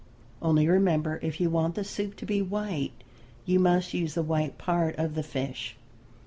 Only remember if you want the soup to be white you must use the white part of the fish.